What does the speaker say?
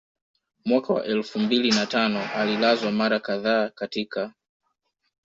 Mwaka wa elfu mbili na tano alilazwa mara kadhaa katika